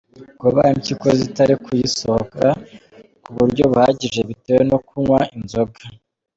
Kuba impyiko zitari kuyisohora ku buryo buhagije, bitewe no kunywa inzoga.